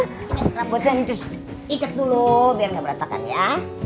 ikat dulu biar gak berantakan ya